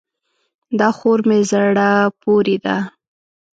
دا خور مې زړه پورې ده.